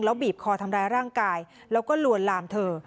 บีบคอทำร้ายร่างกายแล้วก็ลวนลามเธอ